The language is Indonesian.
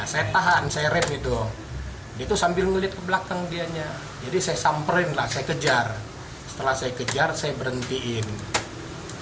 saya memberi nasihat kepada beliau yang mengendari nmat nya